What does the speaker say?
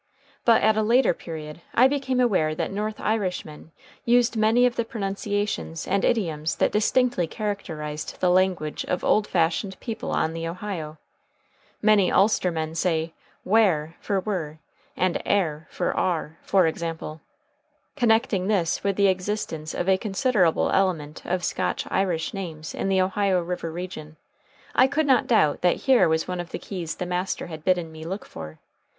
But at a later period I became aware that North Irishmen used many of the pronunciations and idioms that distinctly characterized the language of old fashioned people on the Ohio. Many Ulster men say "wair" for were and "air" for are, for example. Connecting this with the existence of a considerable element of Scotch Irish names in the Ohio River region, I could not doubt that here was one of the keys the master had bidden me look for.